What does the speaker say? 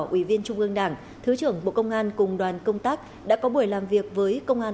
ủy viên trung ương đảng thứ trưởng bộ công an cùng đoàn công tác đã có buổi làm việc với công an